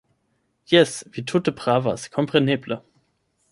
Jes, vi tute pravas, kompreneble!